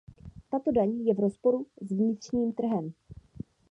Tato daň je v rozporu s vnitřním trhem.